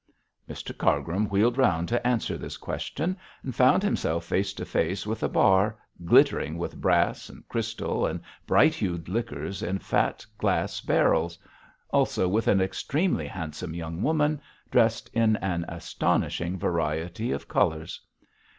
Mr Cargrim wheeled round to answer this question, and found himself face to face with a bar, glittering with brass and crystal and bright hued liquors in fat glass barrels; also with an extremely handsome young woman, dressed in an astonishing variety of colours.